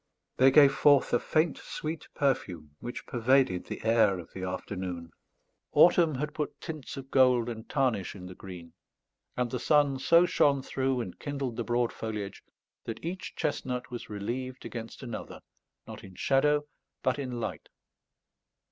They gave forth a faint sweet perfume which pervaded the air of the afternoon; autumn had put tints of gold and tarnish in the green; and the sun so shone through and kindled the broad foliage, that each chestnut was relieved against another, not in shadow, but in light.